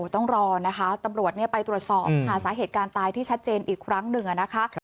ต้องรอนะคะตำรวจไปตรวจสอบหาสาเหตุการณ์ตายที่ชัดเจนอีกครั้งหนึ่งนะคะ